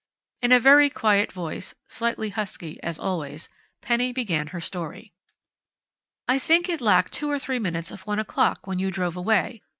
In a very quiet voice slightly husky, as always Penny began her story: "I think it lacked two or three minutes of one o'clock when you drove away.